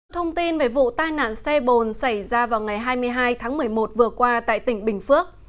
thông tin về vụ tai nạn xe bồn xảy ra vào ngày hai mươi hai tháng một mươi một vừa qua tại tỉnh bình phước